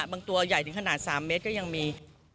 ตัวใหญ่ถึงขนาด๓เมตรก็ยังมี